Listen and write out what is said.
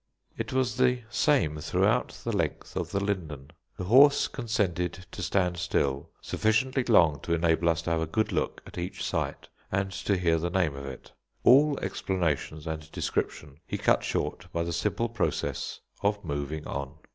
It was the same throughout the length of the Linden. The horse consented to stand still sufficiently long to enable us to have a good look at each sight, and to hear the name of it. All explanation and description he cut short by the simple process of moving on.